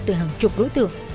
từ hàng chục đối tượng